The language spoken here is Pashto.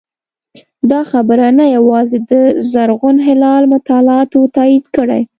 دا خبره نه یوازې د زرغون هلال مطالعاتو تایید کړې